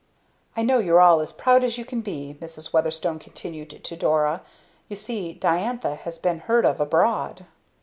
"I know you're all as proud as you can be," Mrs. Weatherstone continued to Dora. "You see, Diantha has been heard of abroad."